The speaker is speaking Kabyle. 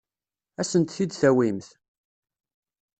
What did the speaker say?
Ad asent-t-id-tawimt?